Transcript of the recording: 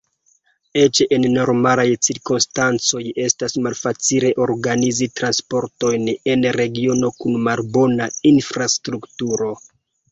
Eĉ en normalaj cirkonstancoj estas malfacile organizi transportojn en regiono kun malbona infrastrukturo.